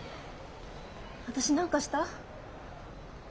私何かした？